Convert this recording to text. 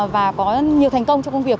và có nhiều thành công trong công việc